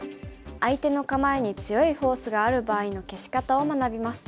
相手の構えに強いフォースがある場合の消し方を学びます。